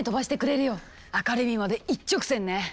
アカデミーまで一直線ね！